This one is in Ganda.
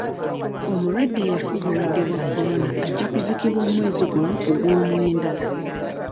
Omulwadde eyafa obulwadde bwa kolona ajja kuziikibwa omwezi guno ogw'omwenda